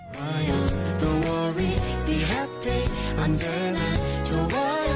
ปร๊า๊ง